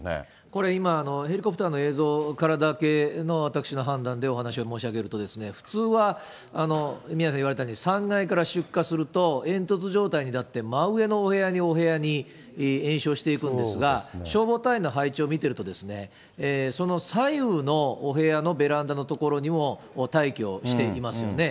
これ今、ヘリコプターからの映像だけ、私の判断でお話を申し上げると、普通は、宮根さん言われたように、３階から出火すると、煙突状態になって、真上のお部屋にお部屋に延焼していくんですが、消防隊員の配置を見ていると、その左右のお部屋のベランダの所にも待機をしていますよね。